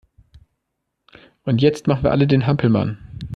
Und jetzt machen wir alle den Hampelmann!